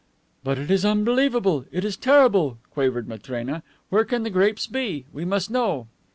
"But it is unbelievable! It is terrible!" quavered Matrena. "Where can the grapes be? We must know."